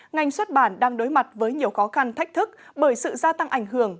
ngành xuất bản đang đối mặt với nhiều khó khăn thách thức bởi sự gia tăng ảnh hưởng